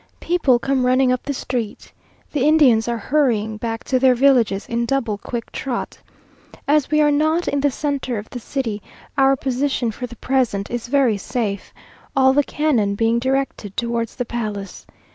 People come running up the street. The Indians are hurrying back to their villages in double quick trot. As we are not in the centre of the city, our position for the present is very safe, all the cannon being directed towards the palace.